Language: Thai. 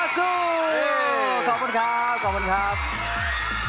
ขอบคุณครับ